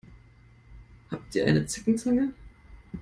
Habt ihr eine Zeckenzange?